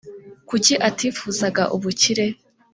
Kuki atifuzaga ubukire?